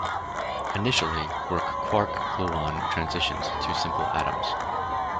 Initially were quark-gluon transitions to simple atoms.